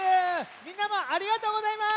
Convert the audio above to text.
みんなもありがとうございます！